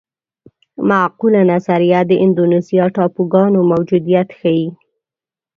معقوله نظریه د اندونیزیا ټاپوګانو موجودیت ښيي.